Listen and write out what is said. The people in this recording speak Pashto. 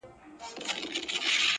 راوړي مزار ته خیام هر سړی خپل خپل حاجت،